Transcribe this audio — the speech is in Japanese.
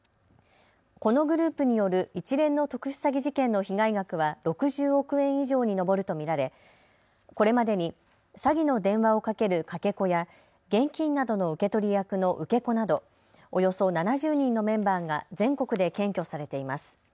このグループによる一連の特殊詐欺事件の被害額は６０億円以上に上ると見られこれまでに詐欺の電話をかけるかけ子や現金などの受け取り役の受け子などおよそ７０人のメンバーが全国で検挙されています。